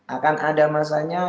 akan ada masanya